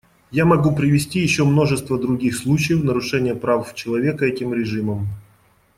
Я могу привести еще множество других случаев нарушения прав человека этим режимом.